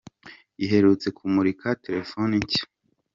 iherutse kumurika telefoni nshya.